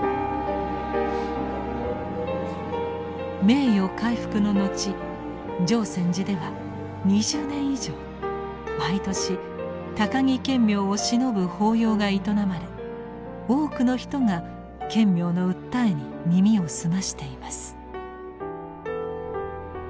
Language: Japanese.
名誉回復の後淨泉寺では２０年以上毎年高木顕明をしのぶ法要が営まれ多くの人が顕明の訴えに耳を澄ましています。